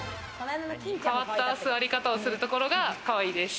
変わった座り方をするところが、かわいいです。